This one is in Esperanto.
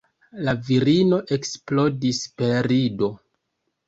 La virino eksplodis per rido.